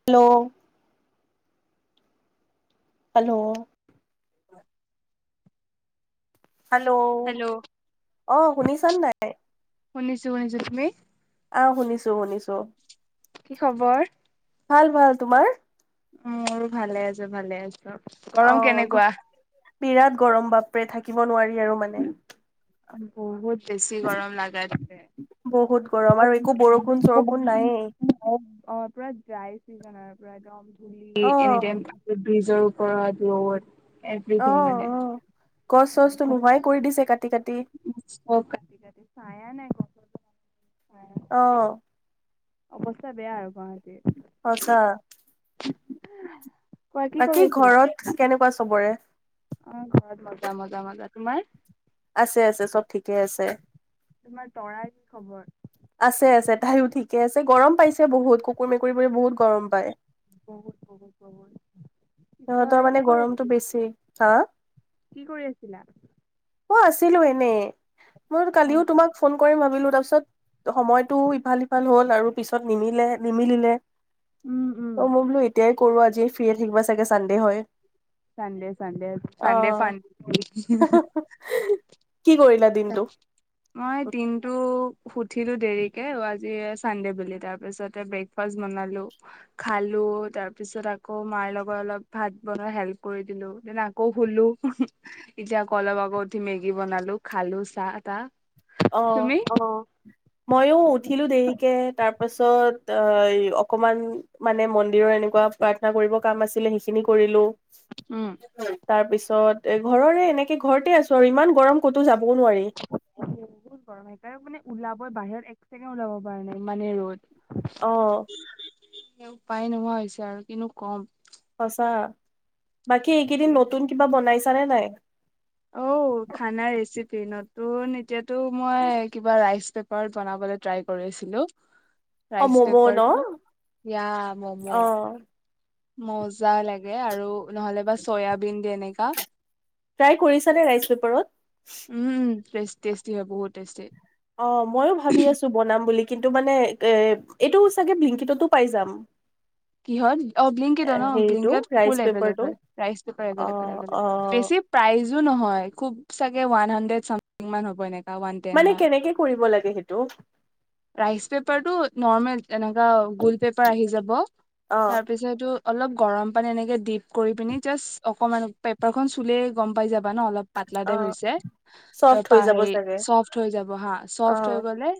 Hello hello hello hello অ শুনিছা নে নাই শুনিছো শুনিছো তুমি অহ শুনিছো শুনিছো কি খবৰ? ভাল ভাল তোমাৰ উম মোৰ ভালে আছো ভালে আছো অ গৰম কেনেকুৱা বিৰাট গৰম বাপৰে থাকিব নোৱাৰি আৰু মানে বহুত বেছি গৰম লাগাই থাকে বহুত গৰম আৰু একো বৰষুণ [unintelligible] চৰষুণ নায়েই কিনাৰ পৰা একদম অ এনিটাইম ব্ৰিজৰ ওপৰত ৰৌড অ অ গছ চছ তো নোহোৱাই কৰি দিছে কাটি কাটি [unintelligible] অহ অৱস্থা বেয়া আৰু গুৱাহাটীৰ সচাঁ কোৱা কি কৰি বাকী আছিলা? ঘৰত কেনেকুৱা চবৰে অ ঘৰত মজা মজা মজা তোমাৰ আছে আছে চব ঠিকে আছে তোমাৰ তৰাৰ কি খবৰ আছে আছে তাইয়ো ঠিক এ আছে গৰম পাইছে বহুত কুকুৰ মেকুৰীবোৰে বহুত গৰম পায় বহুত বহুত গৰম সিহঁতৰ মানে গৰমটো বেছি হা কি কৰি আছিলা? অ আছিলো এনেই মই অ, কালিও তোমাক ফোন কৰিম ভাবিলো তাৰপিছত সময়তটো ইফাল সিফাল হ'ল আৰু পিছত নিমিলে নিমিলিলে উম উম অ মই বোলো এতিয়াই কৰো আজি ফ্ৰিয়ে থাকিবা তাকে চানডে হয় চানডে চানডে অ চানডে ফান কি কৰিলা দিনটো মই দিনটো উঠিলো দেৰিকে আৰু আজি চানডে বুলি তাৰ পিছতে ব্ৰেকফাষ্ট বনালো খালো তাৰ পিছত আকৌ মাৰ লগত অলপ ভাত বনোৱা হেল্প কৰি দিলো দেন আকৌ শুলো এতিয়া আকৌ অলপ আকৌ উঠি মেগী বনালো খালো চাহ তা অ মইয়ো উঠিলো দেৰিকে তাৰপাছত এ অকমান মানে মন্দিৰৰ এনেকুৱা প্ৰাৰ্থনা কৰিব কাম আছিলে সেইখিনি কৰিলো। উম তাৰ পিছত এ ঘৰৰে এনেকে ঘৰতে আছো আৰু ইমান গৰম ক'তো যাব নোৱাৰি বহুত গৰম সেইকাৰনে মানে ওলাব বাহিৰত এক ছেকেণ্ড ওলাব পৰা নাই ইমানে ৰ'দ আহ স উপায় নোহোৱা হৈছে আৰু কিনো কম সঁচা বাকী এইকেইদিন নতুন কিবা বনাইছে চানে নাই অ খানা ৰেচিপি নত তোন এতিয়াতটো মই কিবা ৰাইচ পেপাৰ বনাবলৈ ট্ৰাই কৰিছিলো অ ৰাইচ ম'ম' ন পেপাৰ টো এতিয়া মম। অ মজা লাগে আৰু নহলে বা চয়াবিন দিয় এনেকা ট্ৰাই কৰিছ নে ৰাইচ পেপাৰত উম বেষ্ট টেষ্টি হয় বহুত টেষ্টি অ' ময়ো ভাবি আছো বনাম বুলি কিন্তু মানে এ এইটো চাগে ব্লিংকিটতো পাই যাম কিহত অ এ ব্লিংকট ন হেৰিটো ব্লিংকেত ৰাইচ ফুল এবেল পেপাৰটো এবেল ৰাইচ পেপাৰ ও এবেল অ' এবেল অ' বেছি প্ৰাইজো নহয় খুব চাগে ৱান হাণ্ডেড চামথিং মান হ'ব এনে পেপাৰ ৱান তেন মানে মান কেনেকে কৰিব লাগে সেইটো? ৰাইচ পেপাৰ টো নৰ্মেল তেনেকুৱা গুল পেপাৰ আহি যাব অ' তাৰপিছতো অলপ গৰম পানী এনেকে দীপ কৰি কিনে জাষ্ট অকণমান পেপাৰ খন চুলেই গম পাই যাবা ন অলপ পাতলা টাইপ অ' হৈছে চফ্ট হৈ তাৰ যাব হেৰি চাগে চফ্ট হৈ যাব হা চফ্ট হয় অ'। গলে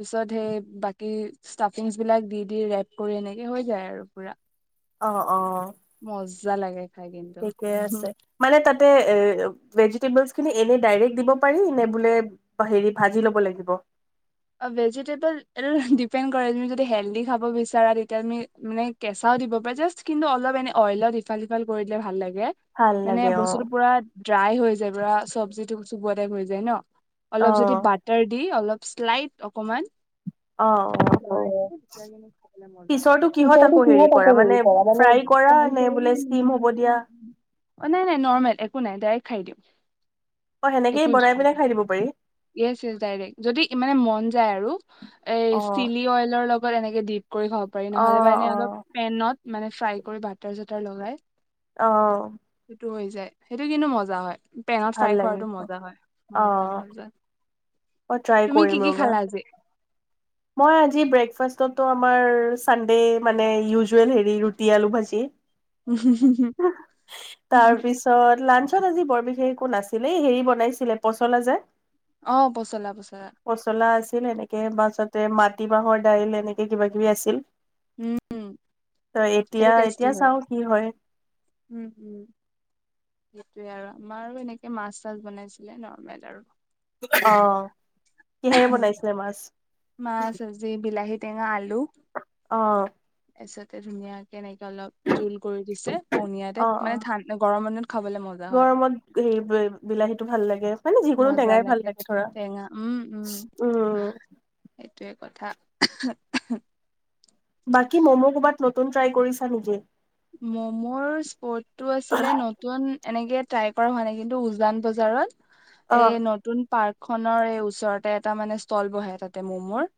পিছত সেই বাকী ষ্টাফিংছ বিলাক দি দি ৰেপ কৰি এনেকে হৈ যায় আৰু পুৰা আহ অ যোৱালাগে ঠিকে আছে মানে তাত তে ভেজিটেবলচ খিনি এনে ডাইৰেক্ট দিব পাৰি নে বোলে ভাজি লব লাগিব অ ভেজিটেবল দিপেণ্ট কৰে যদি হেল্ডি খাব বিচাৰ তেতিয়া কেঁচাও দিব পাৰে জাষ্ট অইলত ইফাল সিফাল কৰি দিলে ভাল লাগে ভাল মানে লাগে অ' বস্তুটো পুৰা ড্ৰাই হৈ যায় পুৰা চব্জিটো চুবোৱা টাইপ হৈ যায় ন অলপ যদি অ' বাটাৰ দি অলপ স্লাইড অকমান অ' অ' কিহ পিছৰটো কিহত আকৌ হেৰি কৰা তাকতে মানে হেৰি কৰা ফ্ৰাই কৰা নে বোলে ষ্টিম হ'ব দিয়া? অ নাই নাই নৰ্মেল একো নাই ডাইৰেক্ট খাই দিওঁ অ সেনেকেই একৈশ বনাই তাৰিখ পিনে ছ খাই দিব পাৰি ইছ ডাইৰেক্ট যদি মানে মন ন যায় আৰু এ অ ষ্টিলি অইলৰ লগত এনেকে দিপ কৰি খাব পাৰি অ নহ'লে বা এনে অ অলপ পেনত মানে ফ্ৰাই কৰি বাটাৰ চাটাৰ লগাই আহ সেইটো হৈ যায় সেইটো কিন্তু মজা হয় পেনত ভাল ফ্ৰাই লাগিব কৰাটো মজা হয়, মজা মজা অ ট্ৰাই কৰিম আৰু খালাজে মই আজি ব্ৰেকফাষ্টত আমাৰ ছানডে মানে ইউজুৱেল ইউজুৱেল হেৰি ৰুটি আলু ভাজি, তাৰ পাছত লাঞ্চ- পিছত আজি বৰ বিশেষ একো নাছিলে হেৰি বনাইছিলে পচলা যে অ পচলা পচলা [unintelligible] এনেকে বাছত তে মাটিমাহৰ দাইল এনেকে কিবা কিবি আছিল উম, ত এতিয়া সেইটো টেষ্টি এতিয়া হয়। চাও কি হয় উম [inaudible] সেইটোৱে আৰু আমাৰো এনেকে মাছ চাছ বনাইছিলে নৰ্মেল আৰু অ [unintelligible] কিহেৰে বনাইছিলে মাছ বিলাহী টেঙা আলু- অহ পছতে ধুনীয়াক- কেনেকে অলপ জোল কৰি দিছে অ পনীয়াতে অ মানে থান গৰমৰ দিনত খাবলে মজা হয় আৰু টো ভাল লাগে। মানে যিকোনো মজা টেঙাই ভাল লাগে ধৰা, টেঙা উম, উম, [unintelligible] উম- সেইটোৱে কথা [unintelligible] বাকী ম'ম' ক'বাত নতুন ট্ৰাই কৰিছা নেকি? মমোৰ স্পৰ্টটো আছিলে নতুন- এনেকে ট্ৰাই কৰা হোৱা নাই কিন্তু উজান বজাৰত অ এ নতুন পাৰ্ক খনৰ এই ওচৰতে এটা মানে ষ্টল বহে তাতে ম'মৰ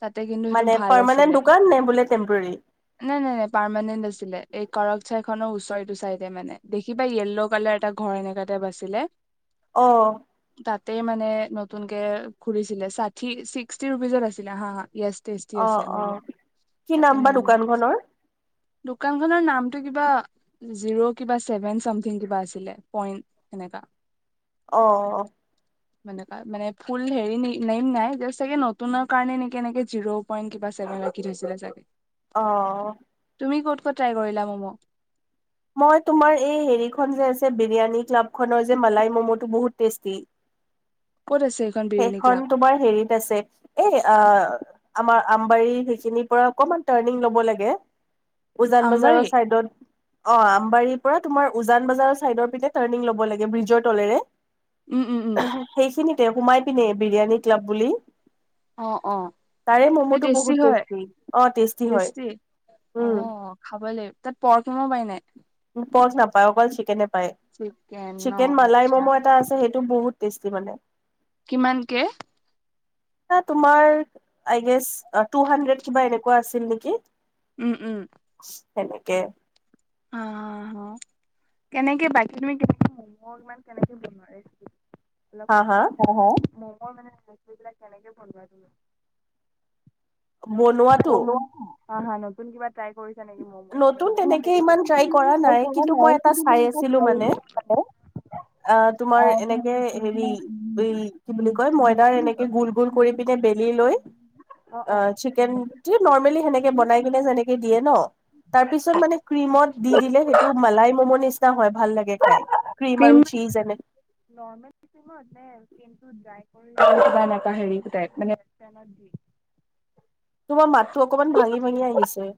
তাতে কিন্তু সেইটো মানে ভাল পাৰমানেন্ট আছিলে দোকান নে বোলে টেম্পৰেৰী নাই নাই নাই পাৰমানেণ্ট আছিলে এই কৰক চাইখনৰ ওচৰটো চাইডে মানে দেখিবা য়েল্ল' কালাৰ এটা ঘৰ এনেকা তাইপ আচিলে অহ তাতে মানে নতুনকে খুলিছিলে ষাঠি ছিক্সটি ৰুপিজত আছিলে হা হা য়েছ টেষ্টি অ আছে অ মম কি তাতে নাম বা মম দোকানখনৰ দোকান নামটো কিবা জিৰো কিবা চেভেন চমঠিং কিবা আছিলে পইন্ট সেনেকা অ অ অ এনেকুৱা মানে ফুল হেৰি নেইম নাই চাগে নতুৰ কাৰণে নেকি এনেকে জিৰ' পইণ্ট কিবা চেভেন ৰাখি থৈছিলে চাগে আহ তুমি ক'ত ক'ত ট্ৰাই কৰিলা মম' মই তোমাৰ এই হেৰিখন যে আছে বিৰিয়ানী ক্লাবখনৰ যে মালাই মম'টো বহুত টেষ্টি ক'ত আছে এইখন বিৰিয়ানী সেইখন ক্লাব তোমাৰ হেৰিত আছে এই আহ আমাৰ আমবাৰী সেইখিনিৰ পৰা অকমান টাৰ্ণিং লব লাগে উজান বজাৰৰ আমবাৰী চাইডত অ আম বাৰীৰ পৰা তোমাৰ উজান বজাৰৰ চাইডৰ পিনে টাৰ্ণিং লব লাগে ব্ৰিজৰ তলেৰে উম উম উম সেইখিনিতে সোমাই পিনে বিৰিয়ানী ক্লাব বুলি অ অ তাৰে সেই ম'ম'টো টেষ্টি বহুত হয় অ টেষ্টি হয় টষ্টি অ উম খাব লাগিব তাত পৰ্ক মম পাই নাই পৰ্ক নাপায় অকল শিকেনে। পায় চিকেন ন চিকেন মালাই আচ্ছা ম'ম' এটা আছে সেইটো বহুত তেষ্টি মানে কিমানকে? আ তোমাৰ আই গেছ তুহাড্ৰে কিবা এনেকোৱা আছিল নেকি? উম উম সেনেকে আহ কেনেকে বাকী তুমি কেনে মম ইমান কেনেকে বনোৱাৰ অলপ হা কবা হা মোৰ মানে সেইবিলাক কেনেকে বনোৱা বনোৱাটো নললো অ হ নতুন কিবা ট্ৰাই কৰিচা নেকি মম নতুন তেনেকে ময়ো। ইমান ট্ৰাই কৰা নাই কিন্তু মই এটা চাই আছিলো মানে অ তোমাৰ অ ক্ৰীম এনেকে হেৰি এই কি বুলি কয় ময়দাৰ এনেকে গোল গোল কৰি পিনে বেলি লৈ আহ চিকেন নৰ্মেলি সেনেকে বনাই কিনে যেনেকে দিয়ে ন তাৰপিছত মানে দি দিলে সেইটো মালাই মম' নিচিনা হয় ভাল লাগে খাই ক্ৰীম আৰু চীজ এনে এনেকুৱা হেৰিটাই মানেত দি তোমাৰ মাতটো অকমান ভাঙি ভাঙি আহিছে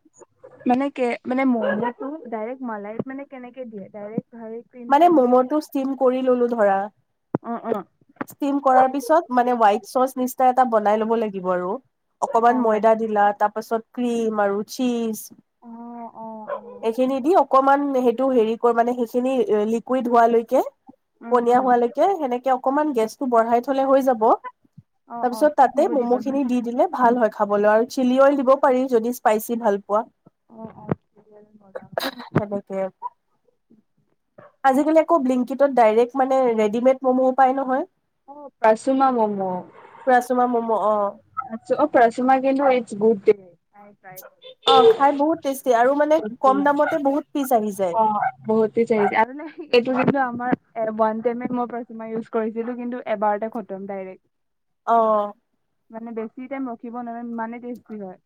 মানে কে মানে ম'ম'টো ডাইৰেক্ট মলাইত মানে কেনেকে দিয়ে ডাইৰেক্ট হেৰি ক্ৰীমটো মানে উলিয়াই মম'টো ষ্টিম কৰি ললো ধৰা অ অ টিম কৰা পিছত মানে হোৱাই চচ নিচিনা এটা বনাই লব লাগিব। আৰু অ অকমান বাই ময়দা দিলা তাৰ পাছত। ক্ৰীম আৰুু চিজ। অ অ অ এইখিনি দি। অকমান সেইটো হেৰি কৰ মানে সেইখিনি লিকুইড হোৱাইলেটি উম পনীয়া উম হোৱালৈকে সেনেকে। অকনমান গেছটো বঢ়াই থ'লে হৈ যাব অ অ তাৰপিছত ষ্টিম তাতে হ'ব মম দিব ন খিন দি দ ভাল হয় খাবলৈ আৰু চিলি অইল দিব পাৰি যদি স্পাইচি ভাল পোৱা অ অ মজা হ'ব তেনেকে আজিকালি বিলিংকিড্ মানে ৰেডিমেড ম'মো পাই নহয় অ পচুমা মম ম অ আছ অ প্ৰ চুমাগেন গু অ বহুতি চাইছে অ', খাই বহুত টেষ্টি আৰু মানে কম দামতে বহুত পিচ আহি যায়। আৰু ন এইটো কিন্তু তোমাৰ ওৱান পেমেণ্ট প্ৰথম বাৰ ইচ কৰিছিলো কিন্তু এবাৰতে আত্ম দাইৰেক আহ মানে বেছি টাইম ৰখিব নহয় মানে টেষ্টি হয়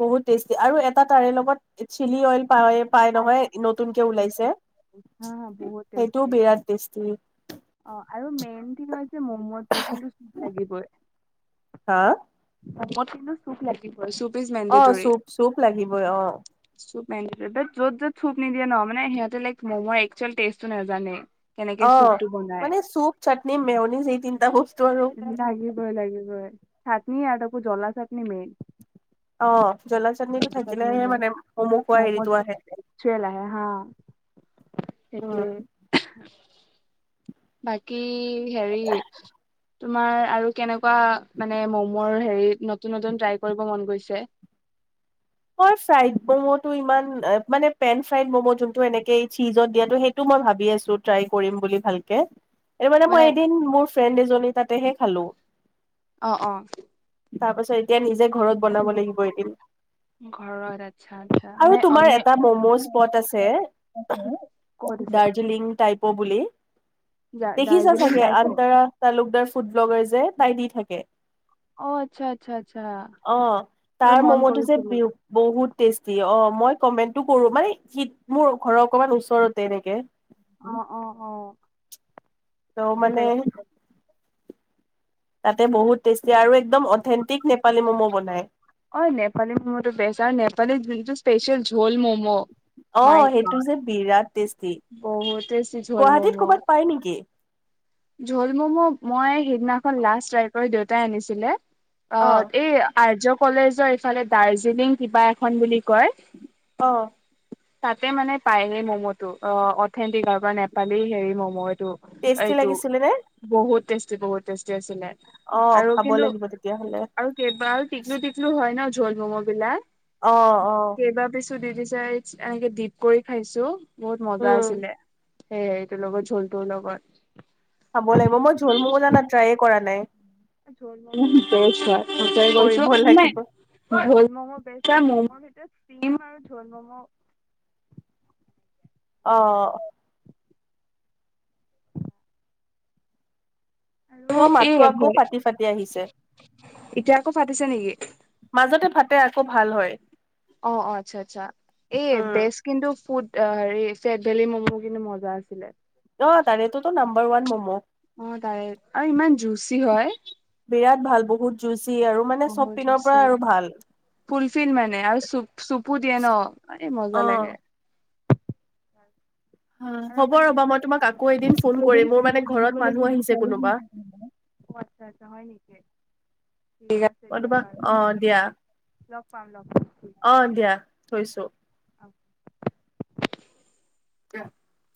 বহুত টেষ্টি আৰু এটা তাৰে লগত চিলি অইল পাই পাই নহয় নতুনকে ওলাইছে হা হা বহুত সেইটোও টেষ্টি বিৰাট টেষ্টি অ আৰু মেইন দি মমতটো কিন্তু লাগিবই হা মোক কিন্তু চপ লাগিলে অ চুপ চুপ লাগিবই অ চুপ য'ত য'ত চুপ নিদিয়ে ন মানে সিহঁতে লেক ম একেল টেষ্টটো নাজানে কেনেকে অ চুপটো বনাই মানে চুপ চাটনি মেউনিজ এইেই তিনিটা বস্তু আৰু সাত ই ইয়াত আকৌ জলা চাটনি মেইন অ জ্বলা চাটনিটো চাটনি থাকিলেহে মেইন মানে ম'ম খোৱাৰ ম'ম'জ হেৰিটো আহে তাকে উম। বাকী হেৰি তোমাৰ আৰু কেনেকুৱা মানে ম'ম হেৰি নতুন নতুন ট্ৰাই কৰিব মন গৈছে এই চাইদ ম'মটো ইমান মানে পেইন চাইদ ম'ম যোনটো এনেকে চিজত দিয়াটো সেইটো মই ভাবি আছো ট্ৰাই কৰিম বুলি ভালকে এ মানে মই এদিন মোৰ ফ্ৰেণ্ড এজনী তাতেহে খালো অ অ তাৰ পাছত এতিয়া নিজে ঘৰত বনাব লাগিব এদিন ঘৰত আচ্ছা আচ্ছা মানে আৰু তোমাৰ অনলি এটা মম' স্পট আছে ক'ত আছে দাৰ্জিলিং টাইপ দে বুলি দা দেখিছা দাৰ্জিলিং চাগে টাইপৰ আন্তৰা তালুকদাৰ ফুড ব্লগাৰ যে তাই দি থাকে অ আচ্ছা আচ্ছা আচ্ছা অ এ তাৰ মন ম'ম'টো যে কৰিছিলো বিউ বহুত টেষ্টি অ মই কমেন্টটো কৰো মানে সি মোৰ ঘৰৰ অকমান ওচৰতে এনেকে অ অ অ ত মানে তেতিয়া তাতে বহুত টেষ্টি আৰু একদম অৰ্থেন্টিক নেপালী ম'ম' বনায় অ নেপালী মমো টো বেচ আৰু নেপালী যোনটো স্পেচিয়েল জোল মম' অ মাই সেইটো গড যে বিৰাট টেষ্ট। বহুত টেষ্টি জোল ম'ম' পাই নেকি ঝোল মম' মই সিদিনাখন লাষ্ট ট্ৰাই কৰি দেউতাই আনিছিলে অ এই আইজক কলেজৰ এইফালে দাৰ্জিলিং কিবা এখন বুলি কয় অহ তাতে মানে পায় সেই মম অ অথেণ্টিক আৰু নেপালী হেৰি মম' টো টেষ্টি এইটো লাগিছিলে নে বহুত টেষ্টি বহত টেষ্টি আছিলে। অ আৰু খাব কিন্তু লাগিব তেতিয়াহ'লে আৰু কেইডাল টিকলু টিকলু হয় ন জোল ম'ম' বিলাক অ অ কেইবা পিছ ও দি দিছে ফেন্স ডিগবৈত খাইছো বহুত মজা উম আছিলে সেটো লগত ঝোলটো লগত খাব লাগিব মই ঝুল মোলা জানা ট্ৰায়ে কৰা নাই বেষ্ট হয় অ ত গৈছ কৰিব নাই লাগিব ভ ম'মো বেষ্ট। ে [unintelligible] পিম আৰু ঢোল ম'ম' আহ ত আৰু এই মাতটো আকৌ এতিয়া ফাটি ফাটি আহিছে আকৌ ফাটিছে নেকি মাজতে ফাটি আকৌ ভাল হয় অ অ আচ্ছা আচ্ছা এই উম বেছ কিন্তু ফুড অ হেৰি চেট ভেলি ম'মো কিন্তু মজা আছিলে হৰৱান ম'ম' অ তাৰে আৰু ইমান জুচি হয় বিৰাট ভাল বহুত জুচি আৰু মানে চব পিনৰ পৰা বতছে আৰু ভাল ফুলফিন মানে আৰু চু চুপু দিয়ে ন এই মজা অ লাগে আৰু হ'ব ৰ'বা মই তোমাক আকৌ এদিন ফোন কৰিম মোৰ মানে ঘৰত মানুহ আহিছে কোনোবা আটছা হয় নেকি ঠিক আছে দিয়া দুবাৰ আহ বাৰু দিয়া লগ পাম লগ পাম ঠিক আহ দিয়া থৈছো আছে তে [unintelligible]